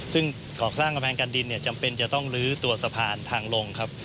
ซึ่งก่อสร้างกำแพงการดินเนี่ยจำเป็นจะต้องลื้อตัวสะพานทางลงครับ